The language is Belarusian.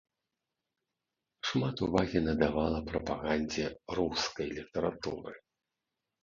Шмат увагі надавала прапагандзе рускай літаратуры.